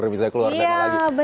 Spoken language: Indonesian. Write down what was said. misalnya keluar dana lagi